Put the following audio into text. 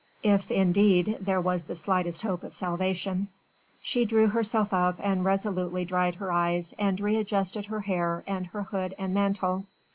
If indeed there was the slightest hope of salvation. She drew herself up and resolutely dried her eyes and readjusted her hair and her hood and mantle.